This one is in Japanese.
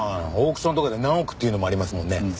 オークションとかで何億っていうのもありますもんね。